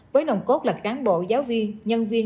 với nồng cốt là cán bộ giáo viên nhân viên